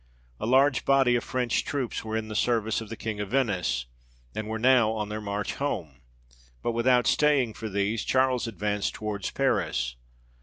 A large body of French troops were in the service of the King of Venice, and were now on their march home ; but without staying for these, Charles advanced towards Paris.